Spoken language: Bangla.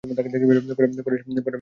পরেশ কহিলেন, কেন?